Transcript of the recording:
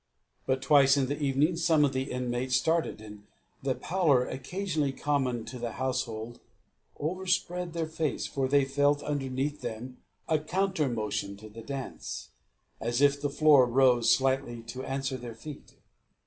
But twice in the evening some of the inmates started, and the pallor occasionally common to the household overspread their faces, for they felt underneath them a counter motion to the dance, as if the floor rose slightly to answer their feet.